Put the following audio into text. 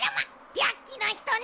びゃっきのひとね。